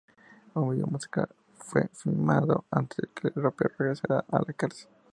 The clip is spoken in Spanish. Un vídeo musical fue filmado antes de que el rapero regresara a la cárcel.